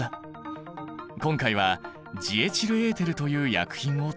今回はジエチルエーテルという薬品を使う。